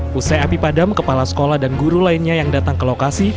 pusai api padam kepala sekolah dan guru lainnya yang datang ke lokasi